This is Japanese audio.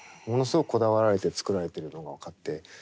ものすごくこだわられて作られてるのが分かって。